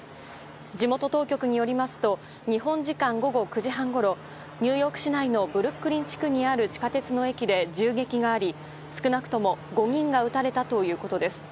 地元当局によりますと日本時間午後９時半ごろニューヨーク市内のブルックリン地区にある地下鉄の駅で銃撃があり少なくとも５人が撃たれたということです。